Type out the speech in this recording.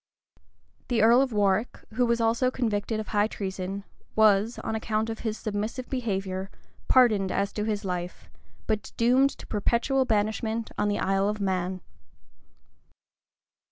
The earl of Warwick, who was also convicted of high treason, was, on account of his submissive behavior, pardoned as to his life, but doomed to perpetual banishment in the Isle of Man.